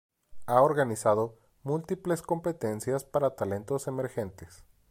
Ha organizado múltiples competencias para talentos emergentes.